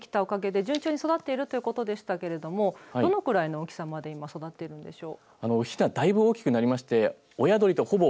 皆さんが大切に守ってきたおかげで順調に育っているということでしたがどのくらいの大きさまで今、育っているんでしょう。